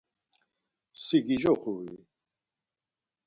Si gicoxu-i?